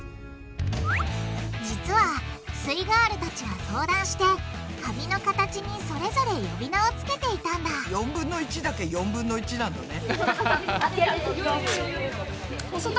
実はすイガールたちは相談して紙の形にそれぞれ呼び名を付けていたんだ４分の１だけ「４分の１」なんだね。